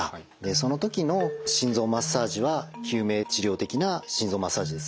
その時の心臓マッサージは救命治療的な心臓マッサージですね。